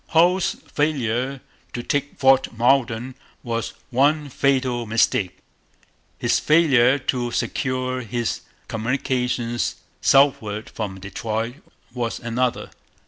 Hull's failure to take Fort Malden was one fatal mistake. His failure to secure his communications southward from Detroit was another.